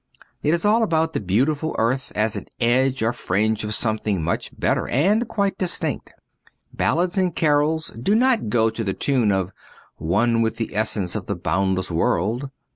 It is all about the beautiful earth as an edge or fringe of something much better and quite distinct. Ballads and carols do not go to the tune of ' One with the Essence of the Boundless World.'